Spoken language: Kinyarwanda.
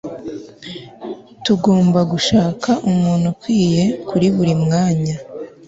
tugomba gushaka umuntu ukwiye kuri buri mwanya